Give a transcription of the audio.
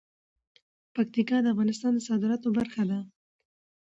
پکتیکا د افغانستان د صادراتو برخه ده.